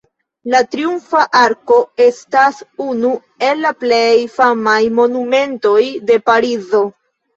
La Triumfa Arko estas unu el la plej famaj monumentoj de Parizo.